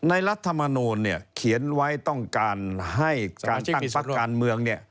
รัฐมนูลเนี่ยเขียนไว้ต้องการให้การตั้งพักการเมืองเนี่ย